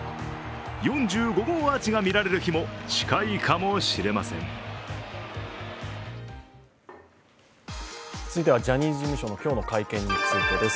４５号アーチが見られる日も近いかもしれません続いてはジャニーズ事務所の今日の会見についてです。